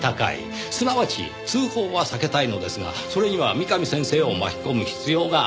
すなわち通報は避けたいのですがそれには三上先生を巻き込む必要があります。